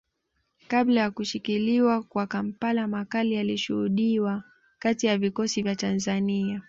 Kabla ya kushikiliwa kwa Kampala makali yalishuhudiwa kati ya vikosi vya Tanzania